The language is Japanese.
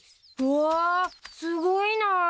わぁすごいなぁ。